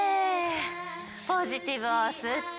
ポジティブをすって。